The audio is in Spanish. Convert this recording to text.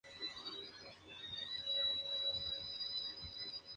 La cadena de brazos, alarga y encarna el instrumento de salvación.